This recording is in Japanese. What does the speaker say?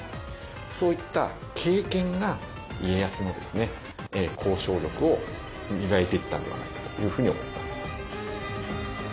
そういった経験が家康の交渉力を磨いていったんではないかというふうに思います。